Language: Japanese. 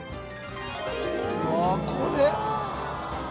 「うわこれ！」